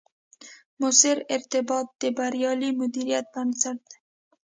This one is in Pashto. مؤثر ارتباط، د بریالي مدیریت بنسټ دی